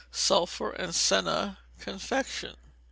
Sulphur and Senna Confection.